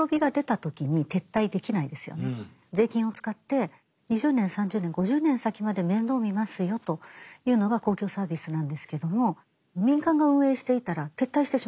税金を使って２０年３０年５０年先まで面倒を見ますよというのが公共サービスなんですけども民間が運営していたら撤退してしまいます。